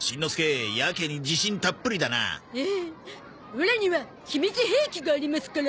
オラには秘密兵器がありますからな。